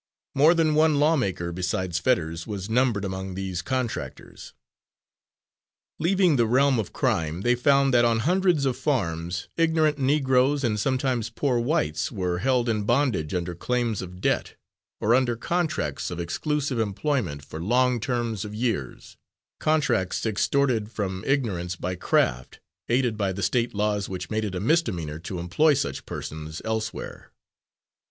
More than one lawmaker besides Fetters was numbered among these contractors. Leaving the realm of crime, they found that on hundreds of farms, ignorant Negroes, and sometimes poor whites, were held in bondage under claims of debt, or under contracts of exclusive employment for long terms of years contracts extorted from ignorance by craft, aided by State laws which made it a misdemeanour to employ such persons elsewhere.